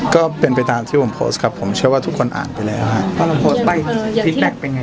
ก็เป็นไปตามที่ผมโพสครับผมเชื่อว่าทุกคนอ่านไปแล้วค่ะ